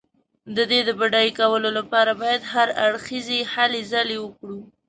د دې د بډای کولو لپاره باید هر اړخیزې هلې ځلې وکړو.